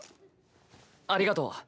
ありがとう。